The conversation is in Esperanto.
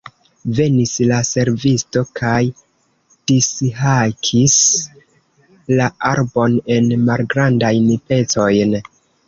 Venis la servisto kaj dishakis la arbon en malgrandajn pecojn.